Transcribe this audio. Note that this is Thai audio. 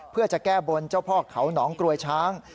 เพื่อจะแก้บนเจ้าพ่อเขาหนองกรวยช้าง